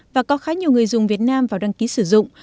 và có khá nhiều người dùng việt nam vào đăng ký sử dụng